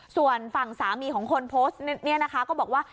ส่วนฝั่งสามีของคนโพสต์เนี่ยนะคะก็บอกว่า